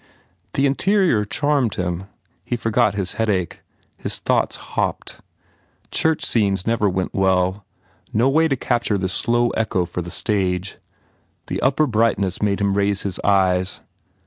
The interior charmed him. He forgot his headache. His thoughts hopped. Church scenes never went well. No way to capture this slow echo for the stage. The upper brightness made him raise his eyes.